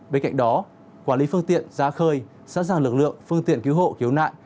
bên cạnh đó quản lý phương tiện ra khơi sẵn sàng lực lượng phương tiện cứu hộ cứu nạn